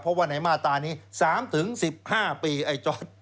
เพราะว่าในมาตรานี้๓๑๕ปีไอ้จอร์ด